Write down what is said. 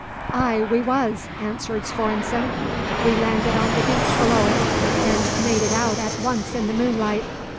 "Ay, we was," answered Svorenssen. "We landed on the beach below it, and made it out at once in the moonlight.